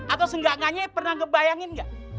atau seenggak enggaknya pernah ngebayangin ga